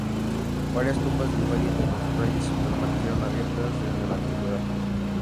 Varias tumbas del Valle de los Reyes permanecieron abiertas desde la Antigüedad.